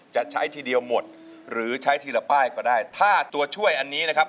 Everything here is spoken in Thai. จะเล่นหรือจะหยุดครับ